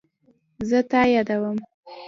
زه تا یادوم